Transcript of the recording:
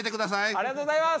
ありがとうございます！